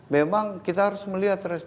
memang kita harus melihat respon